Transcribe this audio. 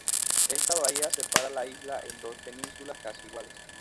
Ésta bahía separa la isla en dos penínsulas casi iguales.